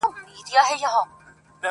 دا ځلي غواړم لېونی سم د هغې مینه کي.